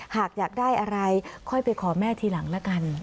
หากอยากได้อะไรค่อยไปขอแม่ทีหลังละกัน